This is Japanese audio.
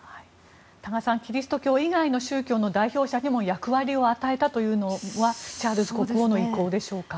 多賀さんキリスト教以外の宗教の代表者にも役割を与えたというのはチャールズ国王の意向でしょうか。